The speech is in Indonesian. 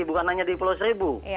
bukan hanya di pulau seribu